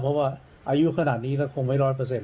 เพราะว่าอายุขนาดนี้แล้วคงไม่๑๐๐แล้ว